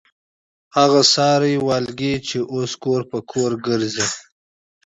هغه والګي چې اوس کور پر کور ګرځي.